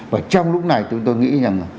và trong lúc này chúng tôi nghĩ rằng